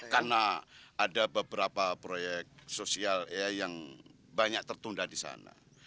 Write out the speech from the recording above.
karena ada beberapa proyek sosial yang banyak tertunda di sana